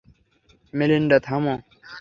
Melinda - থামো।